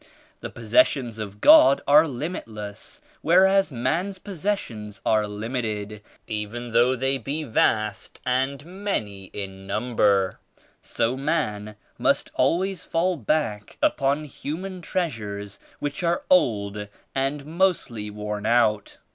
The possessions of God are limitless whereas man's possessions are limited even though they be vast and many in number. So man must always fall back upon human treasures which are old and mostly worn out.